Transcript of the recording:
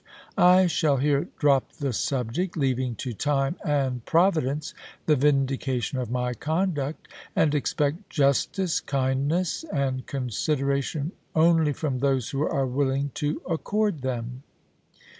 I shall here drop the subject, leaving to time and Providence the vindication of my conduct, and expect justice, kindness, and consideration only from those who are willing to accord them."